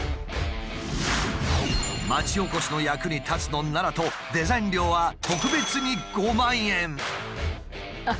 町おこしの役に立つのならとデザイン料はあっ